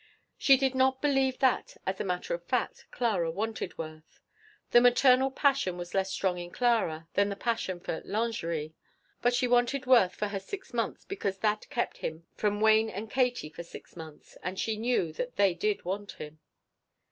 She did not believe that, as a matter of fact, Clara wanted Worth. The maternal passion was less strong in Clara than the passion for lingerie. But she wanted Worth with her for six months because that kept him from Wayne and Katie for six months and she knew that they did want him.